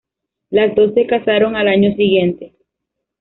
Los dos se casaron al año siguiente.